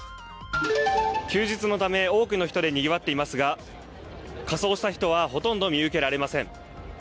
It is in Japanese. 休日のため多くの人でにぎわっていますが、仮装した人はほとんど見受けられません。